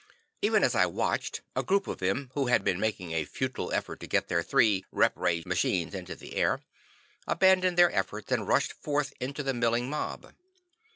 Even as I watched, a group of them, who had been making a futile effort to get their three rep ray machines into the air, abandoned their efforts, and rushed forth into the milling mob.